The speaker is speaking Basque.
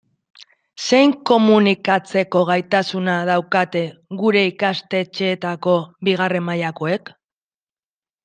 Zein komunikatzeko gaitasuna daukate gure ikastetxeetako bigarren mailakoek?